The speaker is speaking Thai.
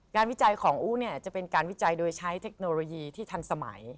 วิจัยของอู๋จะเป็นการวิจัยโดยใช้เทคโนโลยีที่ทันสมัย